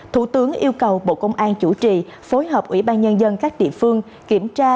thủ tướng yêu cầu bộ công an chủ trì phối hợp ủy ban nhân dân các địa phương kiểm tra